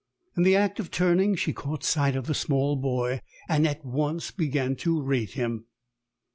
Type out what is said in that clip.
In the act of turning she caught sight of the small boy, and at once began to rate him.